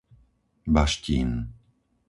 Baštín